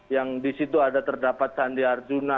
yang di situ ada terdapat sandi arjuna